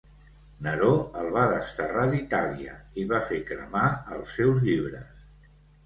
Neró el va desterrar d'Itàlia i va fer cremar els seus llibres.